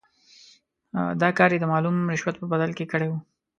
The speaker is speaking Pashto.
دا کار یې د معلوم رشوت په بدل کې کړی وو.